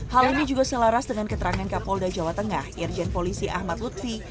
hal ini juga selaras dengan keterangan kapolda jawa tengah irjen polisi ahmad lutfi